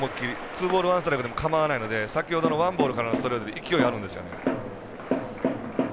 ツーボールワンストライクでも構わないので先ほどのワンボールからのストレート、勢いあるんですよね。